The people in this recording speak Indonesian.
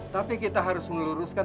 tapi kita harus meluruskan